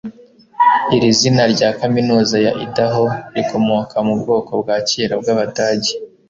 Iri zina rya kaminuza ya Idaho rikomoka mu bwoko bwa kera bw’Abadage